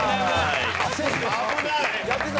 危ない！